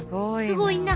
すごいな。